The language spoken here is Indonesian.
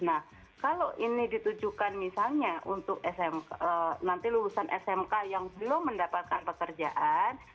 nah kalau ini ditujukan misalnya untuk smk nanti lulusan smk yang belum mendapatkan pekerjaan